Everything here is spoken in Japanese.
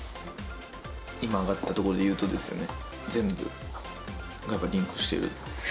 今、挙がったところでいうとですよね、全部がやっぱりリンクしている。